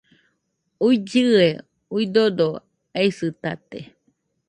uillɨe, udodo aisɨtate